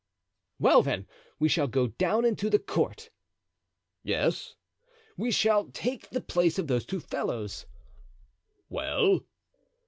"Well, then, we shall go down into the court." "Yes." "We shall take the place of those two fellows." "Well?"